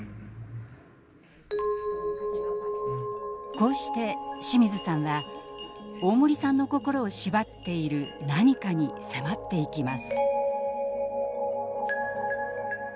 こうして清水さんは大森さんの心を縛っている「何か」に迫っていきます。